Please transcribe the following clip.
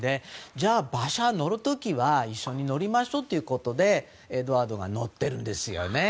じゃあ、馬車に乗る時は一緒に乗りましょうということでエドワードが乗っているんですよね。